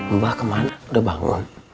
mbah ke mana udah bangun